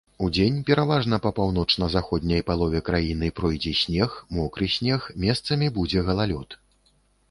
Удзень пераважна па паўночна-заходняй палове краіны пройдзе снег, мокры снег, месцамі будзе галалёд.